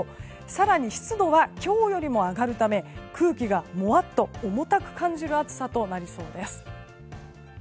更に湿度は今日よりも上がるため空気がもわっと重たく感じる暑さとなりそうです。